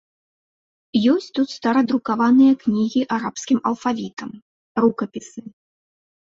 Ёсць тут старадрукаваныя кнігі арабскім алфавітам, рукапісы.